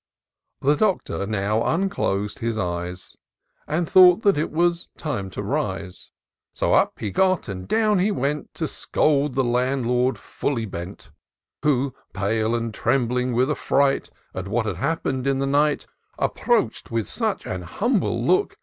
The Doctor now unclos'd his eyes. And thought that it was time to rise : So up he got, and down he went. To scold the Landlord fiilly bent ; Who, pale, and trembling with affright At what had happened in the liight, Approach'd with such an humble look.